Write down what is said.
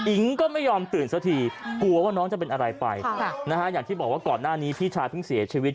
ก็ไม่ยอมตื่นซะทีกลัวว่าน้องจะเป็นอะไรไปอย่างที่บอกว่าก่อนหน้านี้พี่ชายเพิ่งเสียชีวิต